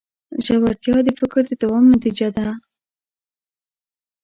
ژورتیا د فکر د دوام نتیجه ده.